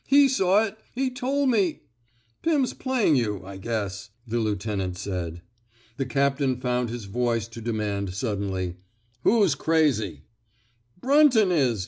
He saw it. He toP me —'Pim's playing you, I guess,'' the lieu tenant said. The captain found his voice to demand suddenly: Who's crazy? "Brunton is!"